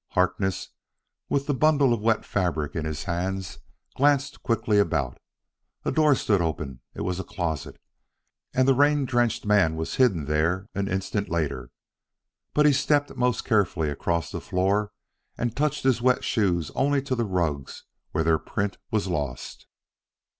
Harkness, with the bundle of wet fabric in his hands, glanced quickly about. A door stood open it was a closet and the rain drenched man was hidden there an instant later. But he stepped most carefully across the floor and touched his wet shoes only to the rugs where their print was lost.